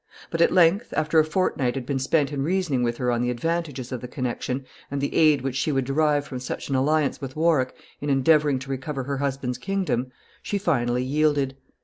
But at length, after a fortnight had been spent in reasoning with her on the advantages of the connection, and the aid which she would derive from such an alliance with Warwick in endeavoring to recover her husband's kingdom, she finally yielded.